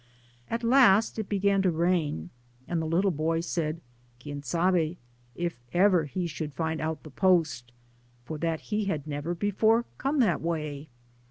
At last it began to rain, and the little boy sud, ^* Quien sabe^ if ever he should find out the post, for that he had never before come that way.